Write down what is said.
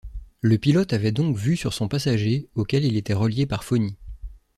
Le pilote avait donc vue sur son passager, auquel il était relié par phonie.